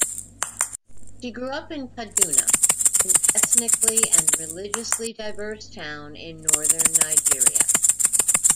She grew up in Kaduna, an ethnically and religiously diverse town in northern Nigeria.